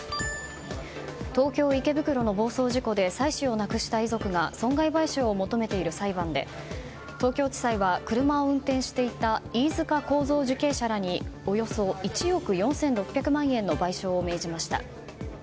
東京・池袋の暴走事故で妻子を亡くした遺族が損害賠償を求めている裁判で東京地裁は車を運転していた飯塚幸三受刑者らにおよそ１億４６００万円の賠償を命じました。